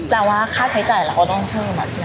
สร้างว้างค่าใช้จ่ายเราก็ต้องเพิ่ม